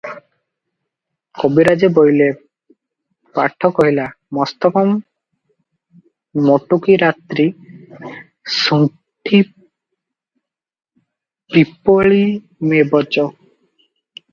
କବିରାଜେ ବୋଇଲେ, 'ପାଠ କହିଲା, 'ମସ୍ତକଂ ମଟୁକୀ ରାତ୍ରୀ ଶୁଣ୍ଠି ପିପ୍ପଳିମେବଚ ।